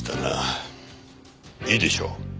いいでしょう。